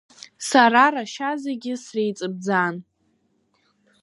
Сара рашьа зегьы среиҵыбӡан.